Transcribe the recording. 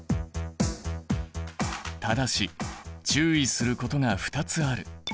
ただし注意することが２つある。